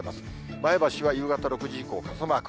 前橋は夕方６時以降、傘マーク。